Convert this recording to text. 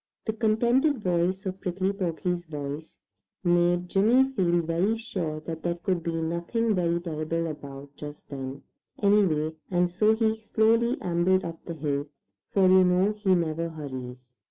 The contented sound of Prickly Porky's voice made Jimmy feel very sure that there could be nothing very terrible about just then, anyway, and so he slowly ambled up the hill, for you know he never hurries.